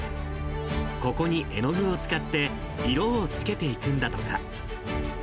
ここに絵の具を使って色を付けていくんだとか。